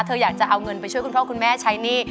อยากจะเอาเงินไปช่วยคุณพ่อคุณแม่ใช้หนี้